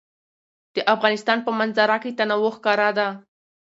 د افغانستان په منظره کې تنوع ښکاره ده.